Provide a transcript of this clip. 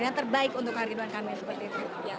yang terbaik untuk kang ridwan kami seperti itu